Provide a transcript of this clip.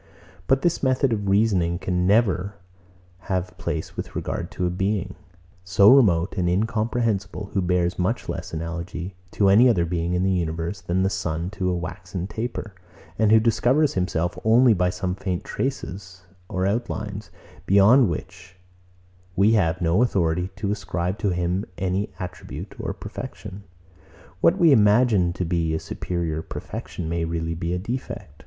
But this method of reasoning can never have place with regard to a Being, so remote and incomprehensible, who bears much less analogy to any other being in the universe than the sun to a waxen taper, and who discovers himself only by some faint traces or outlines, beyond which we have no authority to ascribe to him any attribute or perfection. What we imagine to be a superior perfection, may really be a defect.